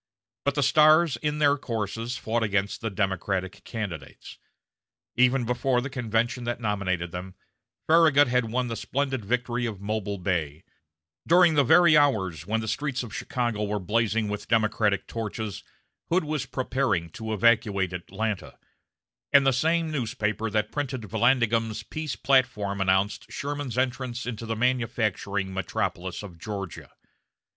But the stars in their courses fought against the Democratic candidates. Even before the convention that nominated them, Farragut had won the splendid victory of Mobile Bay; during the very hours when the streets of Chicago were blazing with Democratic torches, Hood was preparing to evacuate Atlanta; and the same newspaper that printed Vallandigham's peace platform announced Sherman's entrance into the manufacturing metropolis of Georgia.